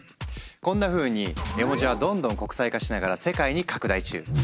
こんなふうに絵文字はどんどん国際化しながら世界に拡大中。